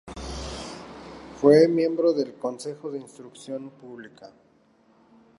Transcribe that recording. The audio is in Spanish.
Fue miembro del Consejo de Instrucción Pública.